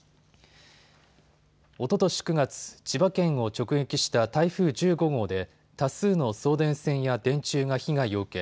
おととし９月、千葉県を直撃した台風１５号で多数の送電線や電柱が被害を受け